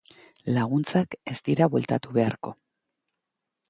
Laguntzak ez dira bueltatu beharko.